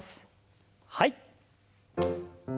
はい。